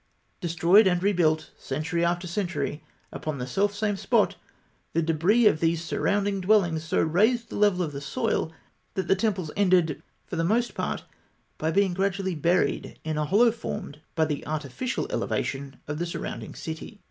Destroyed and rebuilt century after century upon the self same spot, the débris of these surrounding dwellings so raised the level of the soil, that the temples ended for the most part by being gradually buried in a hollow formed by the artificial elevation of the surrounding city.